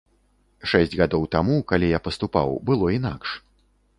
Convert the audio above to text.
Шэсць гадоў таму, калі я паступаў, было інакш.